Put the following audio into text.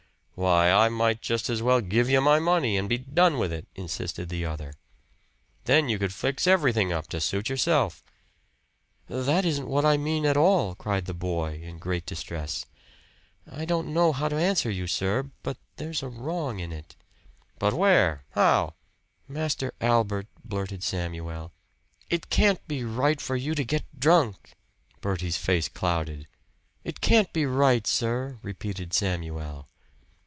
"Why, I might just as well give you my money and be done with it," insisted the other. "Then you could fix everything up to suit yourself." "That isn't what I mean at all!" cried the boy in great distress. "I don't know how to answer you, sir but there's a wrong in it." "But where? How?" "Master Albert," blurted Samuel "it can't be right for you to get drunk!" Bertie's face clouded. "It can't be right, sir!" repeated Samuel.